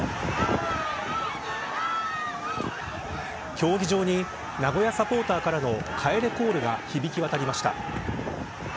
競技場に名古屋サポーターからの帰れコールが響き渡りました。